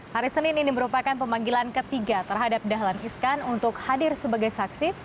hari senin ini merupakan pemanggilan ketiga terhadap dahlan iskan untuk hadir sebagai saksi